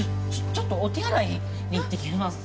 ちょっとお手洗いに行ってきます